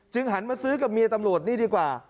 หันมาซื้อกับเมียตำรวจนี่ดีกว่า